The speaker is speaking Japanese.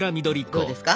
どうですか？